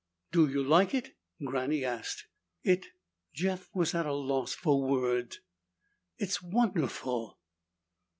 "Do you like it?" Granny asked. "It " Jeff was at a loss for words. "It's wonderful!"